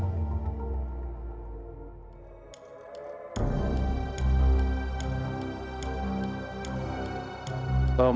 yang kini populasinya mulai meningkat